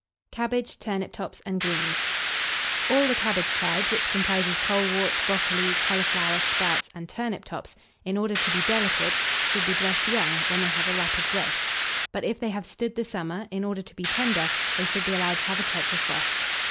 CABBAGE, TURNIP TOPS, AND GREENS. All the cabbage tribe, which comprises coleworts, brocoli, cauliflower, sprouts, and turnip tops, in order to be delicate, should be dressed young, when they have a rapid growth; but, if they have stood the summer, in order to be tender, they should be allowed to have a touch of frost.